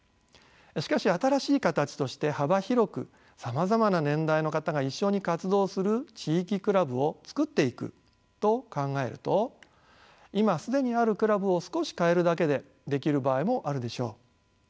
しかし新しい形として幅広くさまざまな年代の方が一緒に活動する地域クラブを作っていくと考えると今既にあるクラブを少し変えるだけでできる場合もあるでしょう。